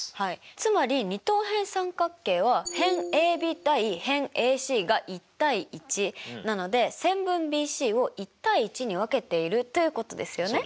つまり二等辺三角形は辺ＡＢ：辺ＡＣが１：１なので線分ＢＣを１：１に分けているということですよね。